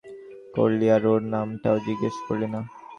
সারারাত ওর সাথে অতিবাহিত করলি আর ওর নাম টাও জিজ্ঞেস করলি না?